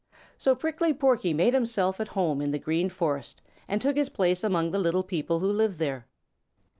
So Prickly Porky made himself at home in the Green Forest and took his place among the little people who live there.